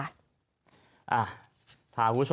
อ่าถามผู้ชม